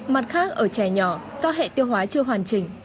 mặt khác ở trẻ nhỏ do hệ tiêu hóa chưa hoàn chỉnh